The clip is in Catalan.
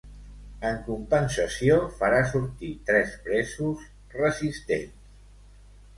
En compensació, farà sortir tres presos resistents.